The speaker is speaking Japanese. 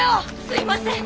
すいません。